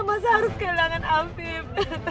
masa harus kehilangan afif